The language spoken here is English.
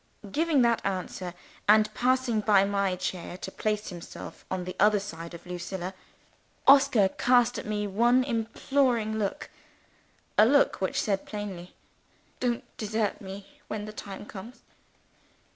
Giving that answer, and passing by my chair to place himself on the other side of Lucilla, Oscar cast at me one imploring look a look which said plainly, "Don't desert me when the time comes!"